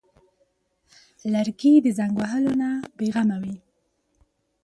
لرګی د زنګ وهلو نه بېغمه وي.